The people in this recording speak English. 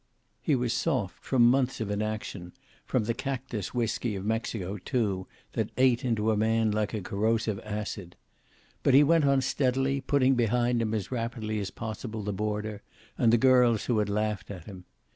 He was soft from months of inaction, from the cactus whisky of Mexico, too, that ate into a man like a corrosive acid. But he went on steadily, putting behind him as rapidly as possible the border, and the girls who had laughed at him.